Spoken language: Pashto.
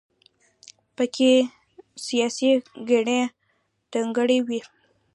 په کې سیاسي کینې دنګلې وي.